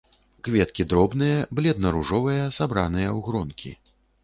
Кветкі дробныя, бледна-ружовыя, сабраныя ў гронкі.